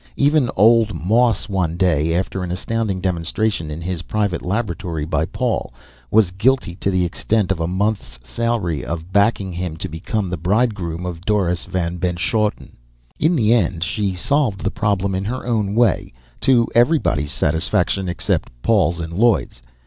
Even "old" Moss, one day, after an astounding demonstration in his private laboratory by Paul, was guilty to the extent of a month's salary of backing him to become the bridegroom of Doris Van Benschoten. In the end she solved the problem in her own way, to everybody's satisfaction except Paul's and Lloyd's.